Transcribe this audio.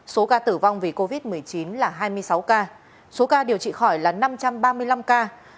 số ca tử vong vì covid một mươi chín là hai mươi sáu ca số ca điều trị khỏi là năm trăm ba mươi năm ca